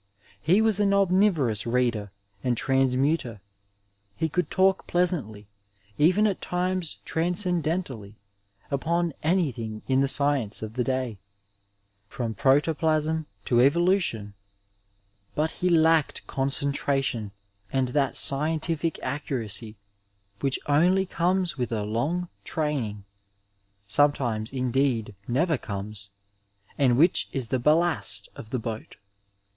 He was an omnivorous reader and transmutor, he could talk plea santly, even at times transcendentally, upon anything in the science of the day, from protoplasm to evolution ; but he lacked concentration and that scientific accuracy which only comes with a long training (sometimes, indeed, never comes,) and which is the ballast of the boat.